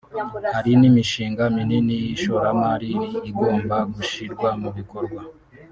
Hari n’imishinga minini y’ishoramari igomba gushyirwa mu bikorwa